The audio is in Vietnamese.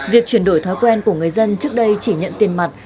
việc chuyển đổi thói quen của người dân trước đây chỉ nhận tiền mặt